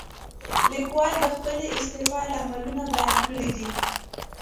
لیکوال د خپلې استعفا لاملونه بیان کړي دي.